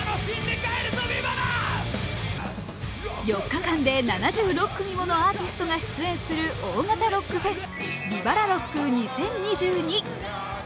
４日間で７６組ものアーティストが出演する大型ロックフェスＶＩＶＡＬＡＲＯＣＫ２０２２。